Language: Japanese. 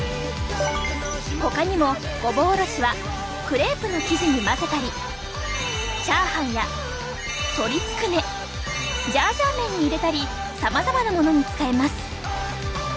ほかにもごぼおろしはクレープの生地に混ぜたりチャーハンや鶏つくねジャージャー麺に入れたりさまざまなものに使えます！